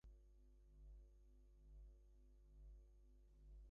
The Ottomans managed to retake Belgrade and most of present-day Serbia.